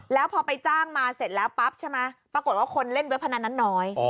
แล้วพอไปจ้างมาเสร็จแล้วปั๊บใช่ไหมปรากฏว่าคนเล่นเว็บพนันนั้นน้อย